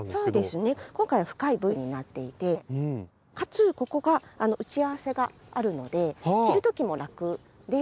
今回は深いＶになっていてかつここが打ち合わせがあるので着る時も楽で。